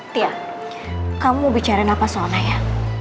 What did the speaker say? tia kamu bicarain apa soalnya